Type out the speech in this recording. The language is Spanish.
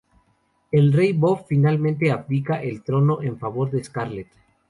El rey Bob finalmente abdica el trono en favor de Scarlet.